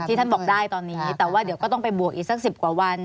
ท่านบอกได้ตอนนี้แต่ว่าเดี๋ยวก็ต้องไปบวกอีกสัก๑๐กว่าวัน